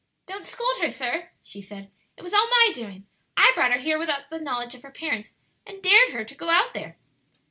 "Don't scold her, sir," she said; "it was all my doing. I brought her here without the knowledge of her parents, and dared her to go out there."